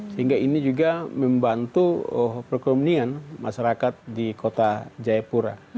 sehingga ini juga membantu perekonomian masyarakat di kota jayapura